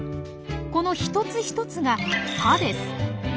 この一つ一つが歯です。